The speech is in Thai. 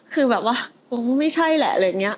คือแบบว่าโอ้ไม่ใช่แหละอะไรอย่างนี้